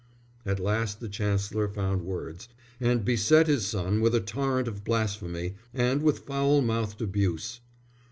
At last the Chancellor found words, and beset his son with a torrent of blasphemy, and with foul mouthed abuse.